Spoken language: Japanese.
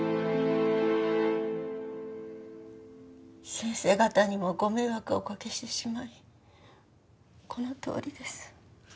先生方にもご迷惑をおかけしてしまいこのとおりです。